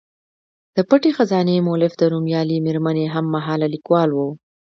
د پټې خزانې مولف د نومیالۍ میرمنې هم مهاله لیکوال و.